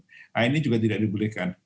nah ini juga tidak dibolehkan